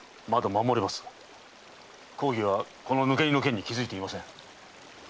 公儀はこの抜け荷の件に気づいていません。